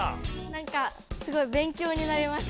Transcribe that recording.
なんかすごい勉強になりました？